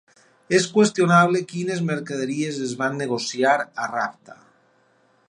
És qüestionable quines mercaderies es van negociar a Rhapta.